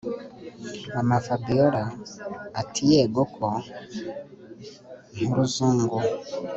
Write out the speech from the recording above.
Mama–Fabiora atiyegoko nkurungunzu